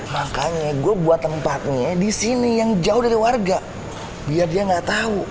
makanya gue buat tempatnya disini yang jauh dari warga biar dia nggak tau